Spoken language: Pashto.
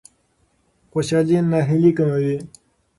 خوشالي ناهیلي کموي.